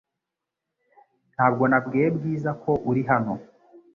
Ntabwo nabwiye Bwiza ko uri hano .